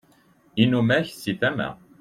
inumak si tama